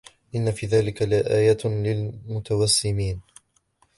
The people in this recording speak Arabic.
إن في ذلك لآيات للمتوسمين